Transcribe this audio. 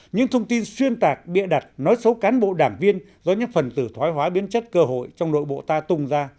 những thông tin xuyên tạc bịa đặt nói xấu cán bộ đảng viên do những phần tử thoái hóa biến chất cơ hội trong nội bộ ta tung ra